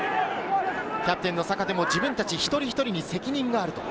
キャプテンの坂手も自分たち一人一人に責任がある。